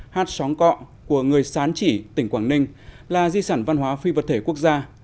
hát xóm cọ của người sán chỉ tỉnh quảng ninh là di sản văn hóa phi vật thể quốc gia